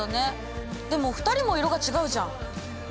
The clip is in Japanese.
でも２人も色が違うじゃん。